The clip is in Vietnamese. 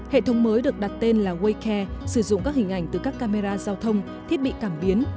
hệ thống mới được đặt tên là waycare sử dụng các hình ảnh từ các camera giao thông thiết bị cảm biến